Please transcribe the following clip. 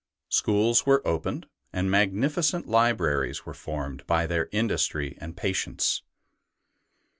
Schools were opened, and magnificent libraries were formed by their industry and patience.